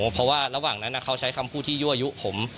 เพราะว่าระหว่างนั้นเขาใช้คำพูดที่ยั่วยุผม